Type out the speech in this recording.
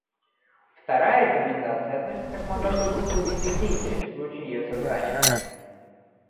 Вторая рекомендация относится к мандату группы видных деятелей в случае ее создания.